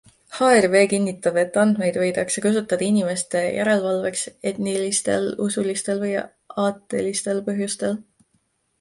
HRW kinnitab, et andmeid võidakse kasutada inimeste järelvalveks etnilistel, usulistel või aatelistel põhjustel.